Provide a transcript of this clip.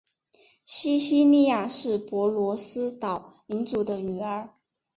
西西莉亚是帕罗斯岛领主的女儿。